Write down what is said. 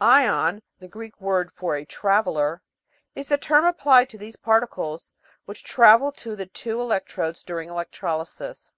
"Ion," the Greek word for a traveller, is the term applied to these particles which travel to the two electrodes during electrolysis.